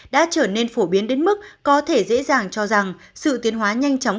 đã trở nên phổ biến đến mức có thể dễ dàng cho rằng sự tiến hóa nhanh chóng